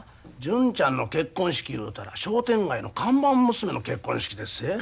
純ちゃんの結婚式いうたら商店街の看板娘の結婚式でっせ。